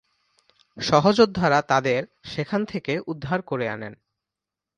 সহযোদ্ধারা তাদের সেখান থেকে উদ্ধার করে আনেন।